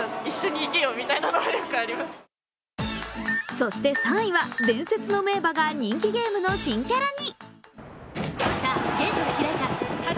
そして３位は伝説の名馬が人気ゲームの新キャラに。